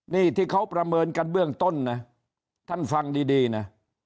นี่ที่เขาประเมินกันเบื้องต้นนะท่านฟังดีนะ